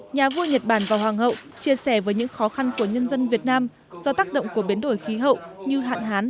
nhà vua nhật bản và hoàng hậu chia sẻ với những khó khăn của nhân dân việt nam do tác động của biến đổi khí hậu như hạn hán